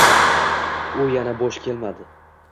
U yana bo’sh kelmadi.